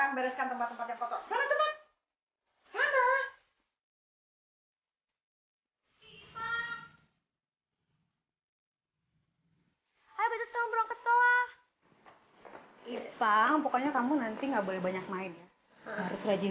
hai berusaha berangkat sekolah ipang pokoknya kamu nanti nggak boleh banyak main ya harus rajin